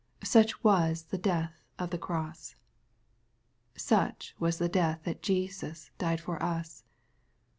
Such was the death of the cross. Such was the death that Jesus died for us